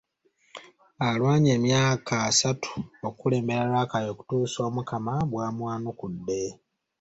Alwanye emyaka asatu okukulembera Rakai okutuusa Omukama w’amwanukudde .